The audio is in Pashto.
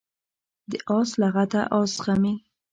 د آس لغته آس زغمي.